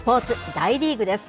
大リーグです。